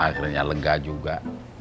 akhirnya lega juga